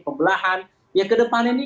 pembelahan ya kedepannya ini